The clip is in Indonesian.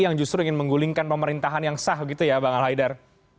yang justru ingin menggulingkan pemerintahan yang sah gitu ya bang al haidar